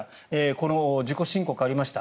この自己申告ありました